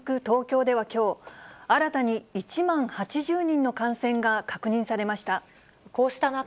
東京ではきょう、新たに１万８０人の感染が確認されました。